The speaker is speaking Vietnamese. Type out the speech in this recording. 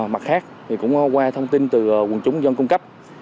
mặt khác cũng qua thông tin từ quần chúng dân cung cấp